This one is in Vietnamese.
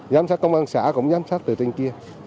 giám sát công an xã cũng giám sát từ bên kia